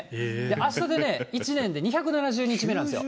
あしたでね、１年で２７０日目なんですよ。